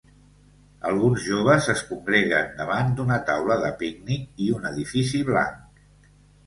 Alguns joves es congreguen davant d'una taula de pícnic i un edifici blanc.